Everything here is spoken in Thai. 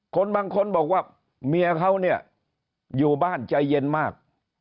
คนบางคนบอกว่าเมียเขาเนี่ยอยู่บ้านใจเย็นมาก